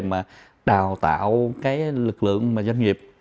mà đào tạo cái lực lượng doanh nghiệp